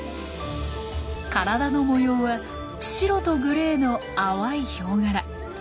体の模様は白とグレーの淡いヒョウ柄。